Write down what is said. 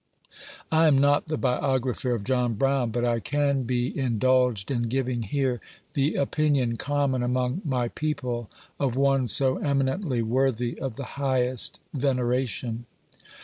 I am not the biographer of John Brown, but I can be indulged m giving here the opinion common among my peo ple of one so eminently worthy of the highest veneration.